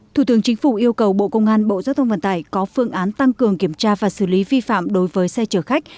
thủ tướng chính phủ yêu cầu bộ công an bộ giao thông vận tải có phương án tăng cường kiểm tra và xử lý vi phạm đối với xe chở khách